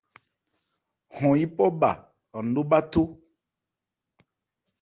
Hɔn yípɔ bha an nó bháthó.